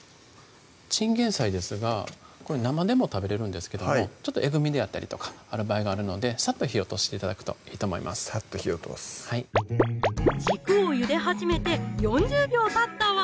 チンゲン菜ですがこれ生でも食べれるんですけどもちょっとえぐみであったりとかある場合があるのでサッと火を通して頂くといいと思いますサッと火を通すはい軸をゆで始めて４０秒たったわ！